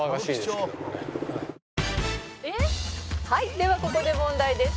ではここで問題です」